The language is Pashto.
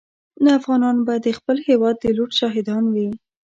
نو افغانان به د خپل هېواد د لوټ شاهدان وي.